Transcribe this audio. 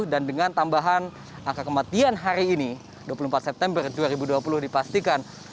dan dengan tambahan angka kematian hari ini dua puluh empat september dua ribu dua puluh dipastikan